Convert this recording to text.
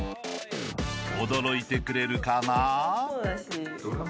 ［驚いてくれるかな？］